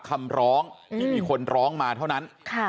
คำร้องที่มีคนร้องมาเท่านั้น